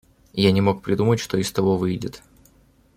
Я не мог придумать, что из того выйдет.